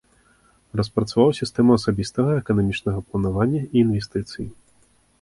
Распрацаваў сістэму асабістага эканамічнага планавання і інвестыцый.